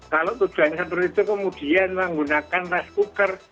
kalau tujuan satu itu kemudian menggunakan rest cooker